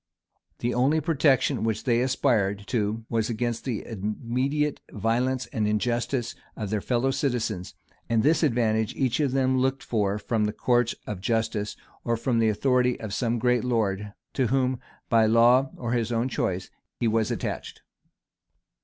The only protection which they aspired to, was against the immediate violence and injustice of their fellow citizens; and this advantage each of them looked for from the courts of justice, or from the authority of some great lord, to whom, by law or his own choice, he was attached.